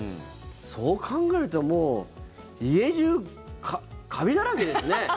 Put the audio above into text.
そう考えるともう、家中カビだらけですね。